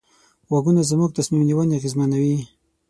غږونه زموږ تصمیم نیونه اغېزمنوي.